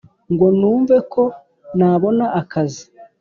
ngo numve ko nabona akazi